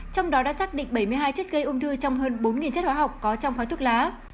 trong đó đã xác định bảy mươi hai chất gây ung thư trong hơn bốn chất hóa học có trong khói thuốc lá